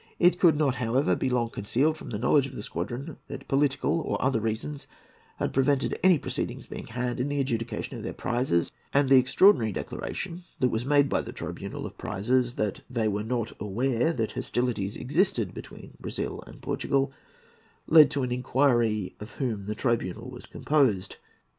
It could not, however, be long concealed from the knowledge of the squadron that political or other reasons had prevented any proceedings being had in the adjudication of their prizes; and the extraordinary declaration that was made by the Tribunal of Prizes,—'that they were not aware that hostilities existed between Brazil and Portugal'—led to an inquiry of whom that tribunal was composed.